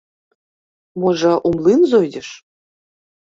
Можа, у млын зойдзеш?